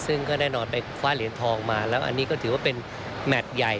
ซึ่งก็แน่นอนไปคว้าเหรียญทองมาแล้วอันนี้ก็ถือว่าเป็นแมทใหญ่